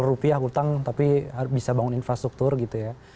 rupiah hutang tapi bisa bangun infrastruktur gitu ya